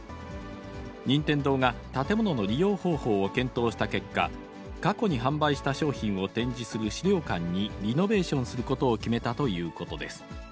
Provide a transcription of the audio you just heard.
任天堂が建物の利用方法を検討した結果、過去に販売した商品を展示する資料館にリノベーションすることを決めたということです。